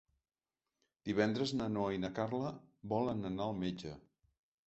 Divendres na Noa i na Carla volen anar al metge.